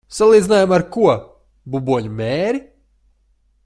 Salīdzinājumā ar ko? Buboņu mēri?